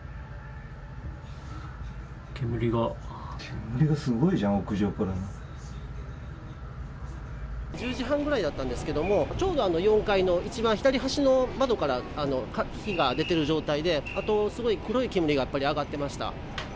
煙が、１０時半ぐらいだったんですけど、ちょうど４階の一番左端の窓から火が出てる状態で、あとすごい煙がやっぱり上がってました。